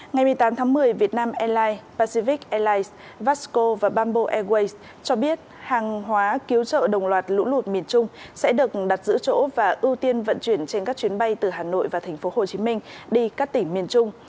ngày một mươi tám tháng một mươi việt nam airlines pacific airlines vasco và bamboo airways cho biết hàng hóa cứu trợ đồng loạt lũ lụt miền trung sẽ được đặt giữ chỗ và ưu tiên vận chuyển trên các chuyến bay từ hà nội và thành phố hồ chí minh đi các tỉnh miền trung